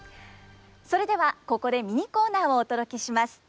それではここでミニコーナーをお届けします。